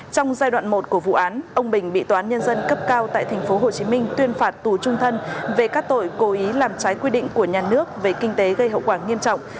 trong giai đoạn một của vụ án ông bình bị toán nhân dân cấp cao tại tp hcm tuyên phạt tù trung thân về các tội cố ý làm trái quy định của nhà nước về kinh tế gây hậu quả nghiêm trọng